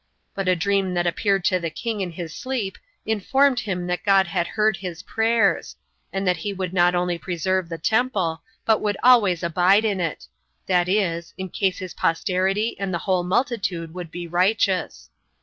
But a dream that appeared to the king in his sleep informed him that God had heard his prayers; and that he would not only preserve the temple, but would always abide in it; that is, in case his posterity and the whole multitude would be righteous.